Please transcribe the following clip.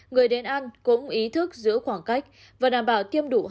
người đến ăn cũng ý thức giữ khoảng cách và đảm bảo tiêm đủ